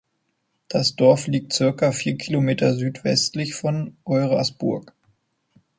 Das Dorf liegt circa vier Kilometer südwestlich von Eurasburg.